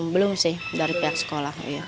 belum sih dari pihak sekolah